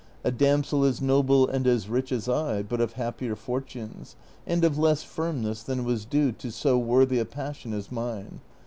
a damsel as noble and as rich as I, but of happier fortunes, and of less firmness than Avas due to so worthy a passion as mine.